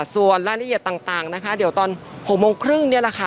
ส่วนรายละเอียดต่างนะคะเดี๋ยวตอน๖โมงครึ่งนี่แหละค่ะ